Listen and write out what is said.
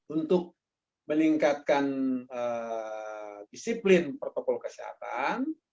untuk meningkatkan disiplin protokol kesehatan